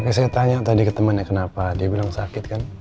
kayak saya tanya tadi ke temannya kenapa dia bilang sakit kan